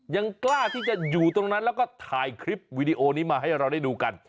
ยังกล้าที่จะอยู่ตรงนั้นแล้วก็ถ่ายคลิปวีดีโอนี้มาให้เราได้ดูกัน